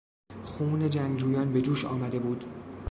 خون جنگجویان به جوش آمده بود.